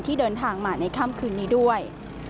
เดินทางมาในค่ำคืนนี้ด้วย